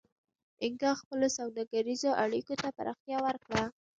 اینکا خپلو سوداګریزو اړیکو ته پراختیا ورکړه.